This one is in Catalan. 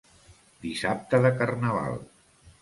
Dissabte de carnaval.